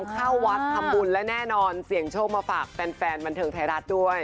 เข้าวัดทำบุญและแน่นอนเสี่ยงโชคมาฝากแฟนบันเทิงไทยรัฐด้วย